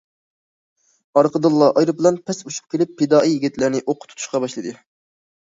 ئارقىدىنلا ئايروپىلان پەس ئۇچۇپ كېلىپ پىدائىي يىگىتلەرنى ئوققا تۇتۇشقا باشلىدى.